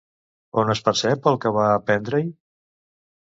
On es percep el que va aprendre-hi?